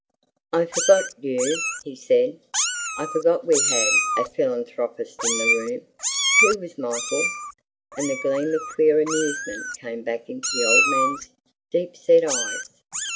"I forgot YOU!" he said. "I forgot we had a philanthropist in the room. Who was Michael?" And the gleam of queer amusement came back into the old man's deep set eyes.